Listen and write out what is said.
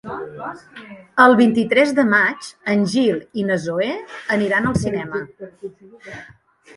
El vint-i-tres de maig en Gil i na Zoè aniran al cinema.